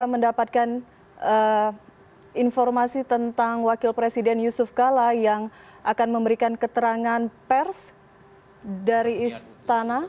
mendapatkan informasi tentang wakil presiden yusuf kala yang akan memberikan keterangan pers dari istana